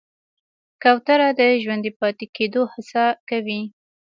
کوتره د ژوندي پاتې کېدو هڅه کوي.